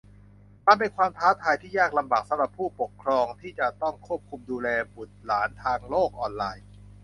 มันเป็นความท้าทายที่ยากลำบากสำหรับผู้ปกครองที่จะต้องควบคุมดูแลบุตรหลานทางโลกออนไลน์